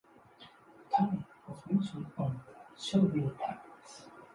The town was mentioned on the show many times.